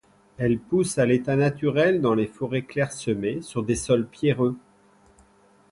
Elle pousse à l'état naturel dans les forêts clairsemées sur des sols pierreux.